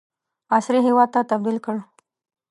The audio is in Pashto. عصري هیواد تبدیل کړ.